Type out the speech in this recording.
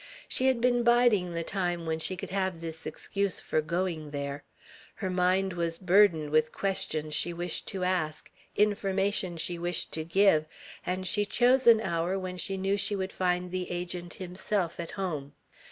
She had been biding the time when she should have this excuse for going there. Her mind was burdened with questions she wished to ask, information she wished to give, and she chose an hour when she knew she would find the Agent himself at home.